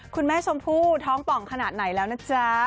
คุณแม่ชมพู่ท้องป่องขนาดไหนแล้วนะจ๊ะ